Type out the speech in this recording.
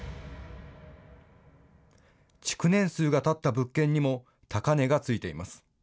築年数がたった物件にも高値がついています。